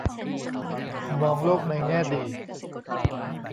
มองโลกในแง่ดี